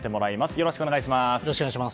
よろしくお願いします。